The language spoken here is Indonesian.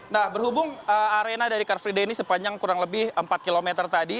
nah berhubung arena dari car free day ini sepanjang kurang lebih empat km tadi